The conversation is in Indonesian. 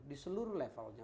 di seluruh levelnya